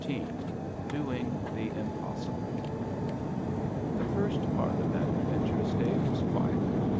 XIV DOING THE IMPOSSIBLE The first part of that adventurous day was quiet.